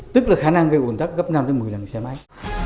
tức là khả năng gây ổn tắc gấp năm một mươi lần một cái xe máy